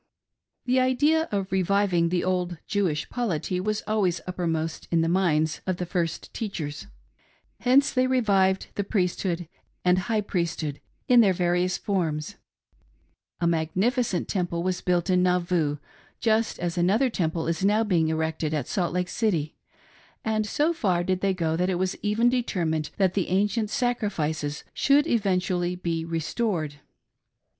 The idea of reviving the old Jewish polity was always upper most in the minds of the first teachers. Hence they revived the Priesthood and High priesthood in their various forms ; a magnificent temple was built in Nauvoo, just as another temple is now being erected at Salt Lake City ; and so far did they go that it was evejj determined that the ancient sacrifices should eventually be restored.